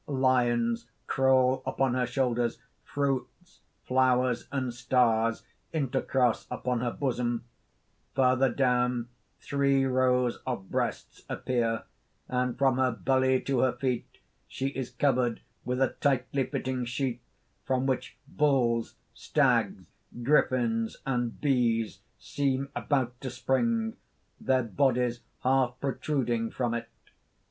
_ _Lions crawl upon her shoulders; fruits, flowers, and stars intercross upon her bosom; further down three rows of breasts appear; and from her belly to her feet she is covered with a tightly fitting sheath from which bulls, stags, griffins, and bees, seem about to spring, their bodies half protruding from it.